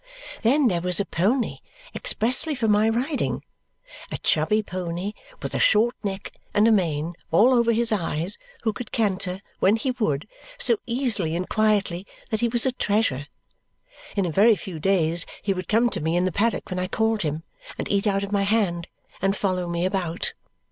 Then there was a pony expressly for my riding, a chubby pony with a short neck and a mane all over his eyes who could canter when he would so easily and quietly that he was a treasure. In a very few days he would come to me in the paddock when I called him, and eat out of my hand, and follow me about.